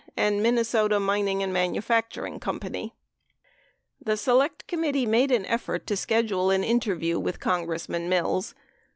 and Minnesota Mining and Manufacturing Co. The Select Committee made an effort to schedule an interview with Congressman Mills.